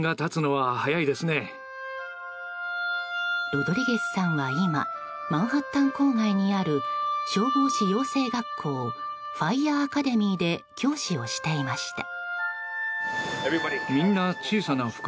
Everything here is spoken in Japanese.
ロドリゲスさんは今、マンハッタン郊外にある消防士養成学校ファイアーアカデミーで教師をしていました。